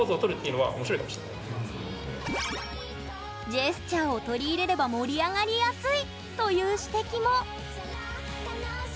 ジェスチャーを取り入れれば盛り上がりやすいという指摘も。